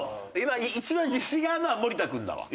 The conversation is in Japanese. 一番自信があるのは盛田君だわ。